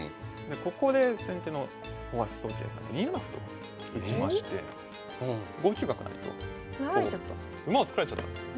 ここで先手の大橋宗桂さん２七歩と打ちまして５九角成と馬を作られちゃったんです。